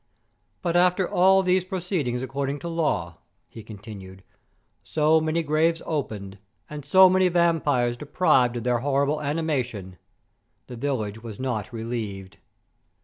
"But after all these proceedings according to law," he continued—"so many graves opened, and so many vampires deprived of their horrible animation—the village was not relieved.